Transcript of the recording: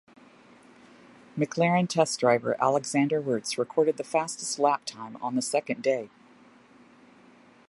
McLaren test driver Alexander Wurz recorded the fastest lap time on the second day.